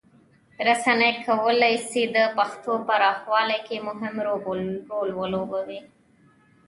رسنۍ کولی سي د پښتو پراخولو کې مهم رول ولوبوي.